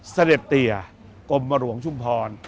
เสด็จเตียกรมหลวงชุมพร